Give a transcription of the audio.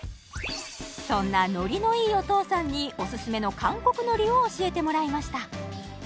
そんなノリのいいおとうさんにオススメの韓国海苔を教えてもらいました